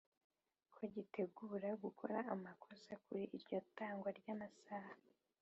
Ko gitegura gukora amakosa kuri iryo tangwa ry’amasaha